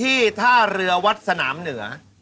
ท่าเรือวัดสนามเหนือ